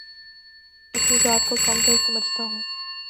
اپنی ذات کو کم تر سمجھتا ہوں